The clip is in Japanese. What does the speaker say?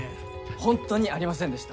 本当にありませんでした。